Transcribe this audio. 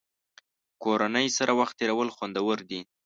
کورنۍ سره وخت تېرول خوندور دي.